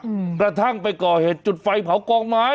อืมกระทั่งไปก่อเหตุจุดไฟเผากองไม้